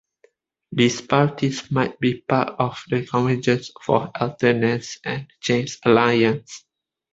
These parties might be part of the Convergence for Alternance and Change alliance.